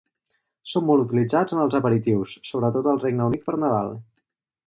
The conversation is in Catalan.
Són molt utilitzats en els aperitius, sobretot al Regne Unit per Nadal.